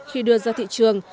khi đưa ra thị trường